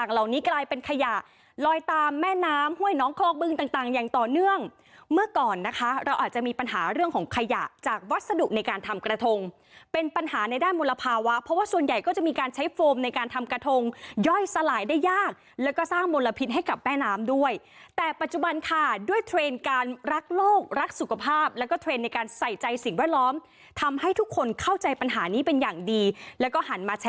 หาเรื่องของขยะจากวัสดุในการทำกระทงเป็นปัญหาในด้านมลภาวะเพราะว่าส่วนใหญ่ก็จะมีการใช้โฟมในการทำกระทงย่อยสลายได้ยากแล้วก็สร้างมลพิษให้กับแม่น้ำด้วยแต่ปัจจุบันค่ะด้วยเทรนด์การรักโลกรักสุขภาพแล้วก็เทรนด์ในการใส่ใจสิ่งวัดล้อมทำให้ทุกคนเข้าใจปัญหานี้เป็นอย่างดีแล้วก็ห